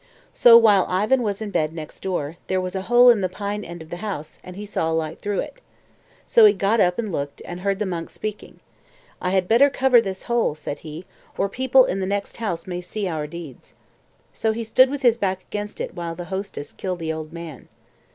So while Ivan was in bed next door, there was a hole in the pine end of the house, and he saw a light through it. So he got up and looked, and heard the monk speaking. "I had better cover this hole," said he, "or people in the next house may see our deeds." So he stood with his back against it while the hostess killed the old man.